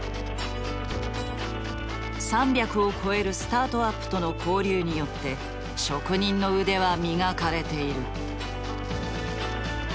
３００を超えるスタートアップとの交流によって職人の腕は磨かれている。